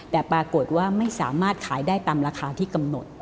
แต่ปรากฏว่าไม่สามารถขายได้ตามราคาที่กำหนด